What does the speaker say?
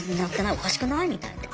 おかしくない？みたいな。